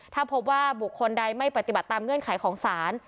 ถ้าพบว่าบุคคลใดไม่ปฏิบัติตามเงื่อนไขของศาล